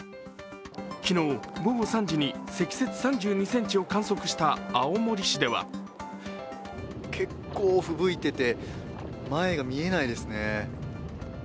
昨日午後３時に積雪３２ｃｍを観測した青森市では結構、ふぶいてて、前が見えないですね。